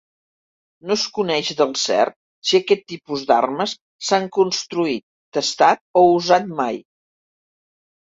No es coneix del cert si aquest tipus d'armes s'han construït, testat o usat mai.